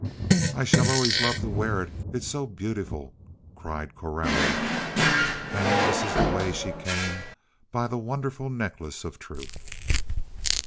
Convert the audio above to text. "Oh, I shall always love to wear it! It is so beautiful!" cried Coralie. And this is the way she came by the wonderful Necklace of Truth.